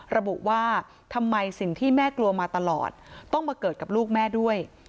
ระบุว่าทำไมสิ่งที่แม่กลัวมาตลอดต้องมาเกิดกับลูกแม่ด้วย